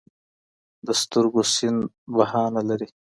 د سترګو سيند بهانه لري